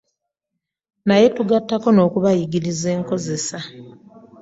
Naye tugattako n'okubayigiriza enkozeza.